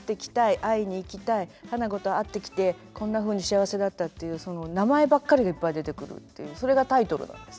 会いに行きたい花子と会ってきてこんなふうに幸せだったっていうその名前ばっかりがいっぱい出てくるというそれがタイトルなんです。